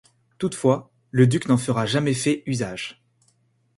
Toutefois, le duc n'en fera jamais fait usage.